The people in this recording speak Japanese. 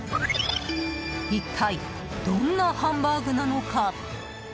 一体、どんなハンバーグなのか？